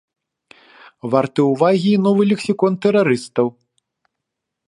Варты ўвагі і новы лексікон тэрарыстаў.